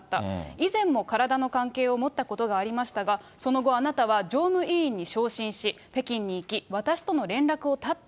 以前も体の関係を持ったことがありましたが、その後、あなたは常務委員に昇進し、北京に行き、私との連絡を絶った。